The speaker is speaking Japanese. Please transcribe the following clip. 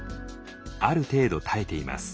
ある程度耐えています。